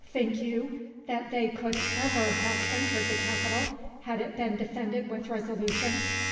Think you that they could ever have entered the capital, had it been defended with resolution?